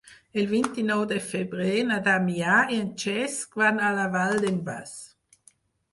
El vint-i-nou de febrer na Damià i en Cesc van a la Vall d'en Bas.